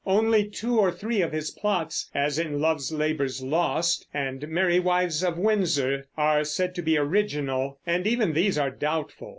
Only two or three of his plots, as in Love's Labour's Lost and Merry Wives of Windsor, are said to be original, and even these are doubtful.